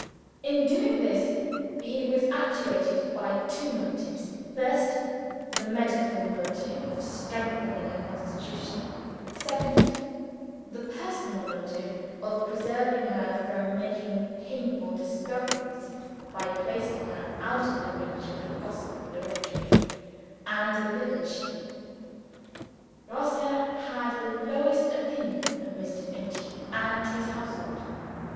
In doing this, he was actuated by two motives first, the medical motive of strengthening her constitution: second, the personal motive of preserving her from making painful discoveries by placing her out of reach of the gossip of the rectory and the village. Grosse had the lowest opinion of Mr. Finch and his household.